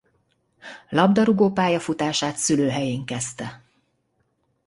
Labdarúgó pályafutását szülőhelyén kezdte.